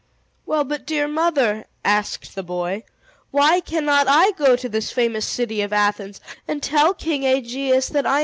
"Well, but, dear mother," asked the boy, "why cannot I go to this famous city of Athens, and tell King Aegeus that I am his son?"